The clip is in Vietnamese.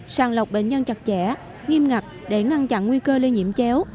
sàng lọc bệnh nhân chặt chẽ nghiêm ngặt để ngăn chặn nguy cơ lây nhiễm chéo